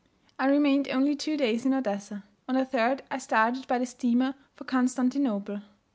I remained only two days in Odessa. On the third I started by the steamer for Constantinople.